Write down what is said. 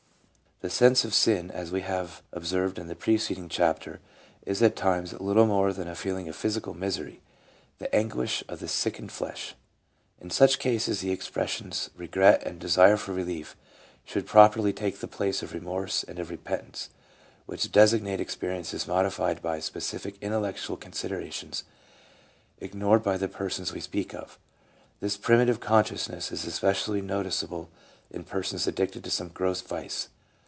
The sense of sin, as we have observed in the preceding chapter, is at times little more than a feeling of physical misery, the anguish of the sickened flesh. In such cases the expres sions "regret" and "desire for relief" should properly take the place of "remorse " and of "repentance," which designate experiences modified by specific intellectual considerations ignored by the persons we speak of. This primitive conscious ness is especially noticeable in persons addicted to some gross vice.